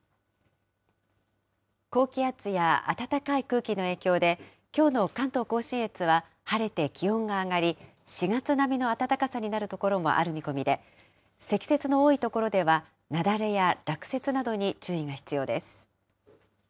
高気圧や暖かい空気の影響で、きょうの関東甲信越は晴れて気温が上がり、４月並みの暖かさになる所もある見込みで、積雪の多い所では、雪崩や落雪などに注意が必要です。